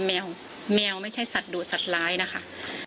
แมวแมวไม่ใช่สัตว์ดูดสัตว์ร้ายนะคะ